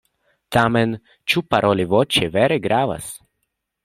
Tamen, ĉu paroli voĉe vere gravas?